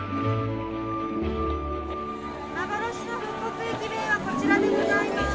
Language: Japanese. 幻の復刻駅弁はこちらでございます。